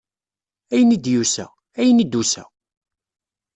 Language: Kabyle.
Ayen i d-yusa? Ayen i d-tusa?